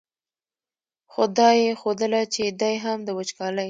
خو دا یې ښودله چې دی هم د وچکالۍ.